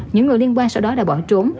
những người liên quan sau đó đã bỏ trốn